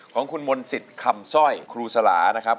ของคุณมนต์สิทธิ์คำสร้อยครูสลานะครับ